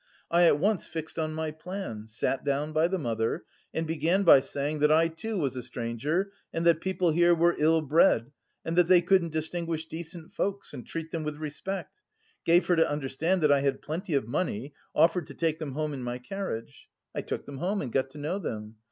I at once fixed on my plan, sat down by the mother, and began by saying that I too was a stranger and that people here were ill bred and that they couldn't distinguish decent folks and treat them with respect, gave her to understand that I had plenty of money, offered to take them home in my carriage. I took them home and got to know them.